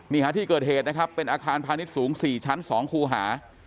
ที่เกิดเหตุนะครับเป็นอาคารพาณิชย์สูง๔ชั้น๒คูหา